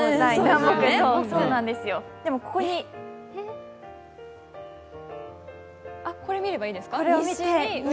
でもここにあっ、これを見ればいいんですか？